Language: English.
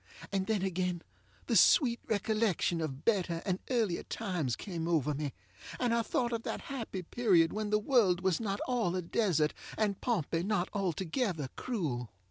And then again the sweet recollection of better and earlier times came over me, and I thought of that happy period when the world was not all a desert, and Pompey not altogether cruel.